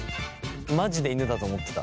マジで犬だと思ってた。